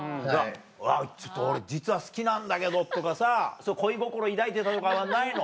ちょっと俺実は好きなんだけどとかさ恋心抱いてたとかはないの？